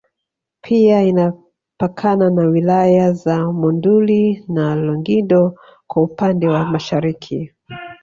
Pia inapakana na wilaya za Monduli na Longido kwa upande wa Mashariki